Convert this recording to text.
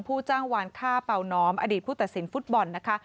จ้างวานฆ่าเป่าน้อมอดีตผู้ตัดสินฟุตบอลนะคะ